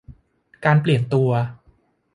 การเปลี่ยนตัว